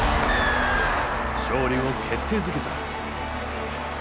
勝利を決定づけた。